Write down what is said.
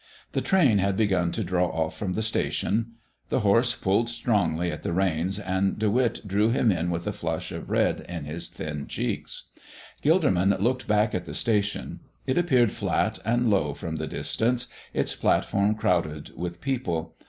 The train had begun to draw off from the station. The horse pulled strongly at the reins, and De Witt drew him in with a flush of red in his thin cheeks. Gilderman looked back at the station. It appeared flat and low from the distance, its platform crowded with people.